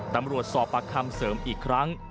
ตำรวจสอบปากคำเสริมอีกครั้ง